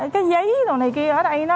cái giấy đồ này kia ở đây